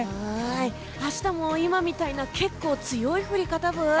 明日も今みたいな結構強い降り方ブイ？